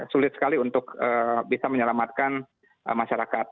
sulit sekali untuk bisa menyelamatkan masyarakat